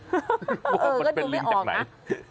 เออก็ดูไม่ออกนะว่ามันเป็นลิงจากไหน